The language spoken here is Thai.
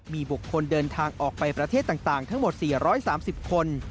มีบุคคลเดินทางออกไปประเทศต่างทั้งหมด๔๓๐คน